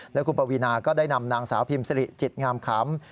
และคุณปวีนาก็ได้นำนางสาวพิมพ์สิริจิตงามขำ